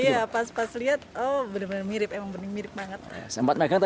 iya pas pas lihat oh bener bener mirip emang bener mirip banget